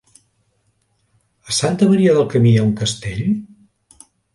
A Santa Maria del Camí hi ha un castell?